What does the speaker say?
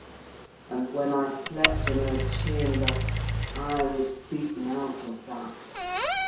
And when I slept in her chamber—I was beaten out of that.